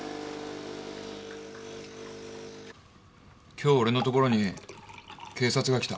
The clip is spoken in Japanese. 今日俺のところに警察が来た。